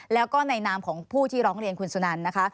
แล้วก็ในนามของผู้ที่ร้องเรียนคุณสุนันนะคะ